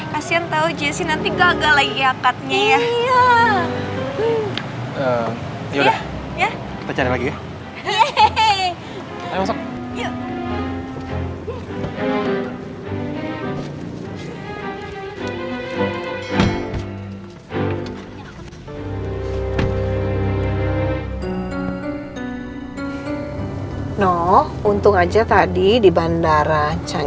kasihan tau jessy nanti gagal lagi iya kadnya ya